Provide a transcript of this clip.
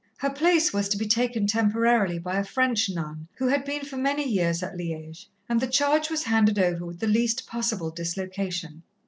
Her place was to be taken temporarily by a French nun who had been for many years at Liège, and the charge was handed over with the least possible dislocation.